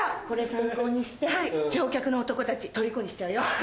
これ参考にして乗客の男たちとりこにしちゃうよ。